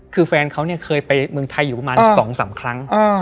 คือแฟนเขาเนี่ยเคยไปเมืองไทยอยู่ประมาณ๒๓ครั้ง